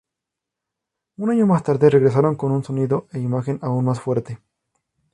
Un año más tarde, regresaron con un sonido e imagen aún más fuerte.